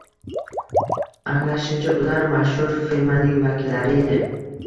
Anglashimcha, ular mashhur firmaning vakillari edi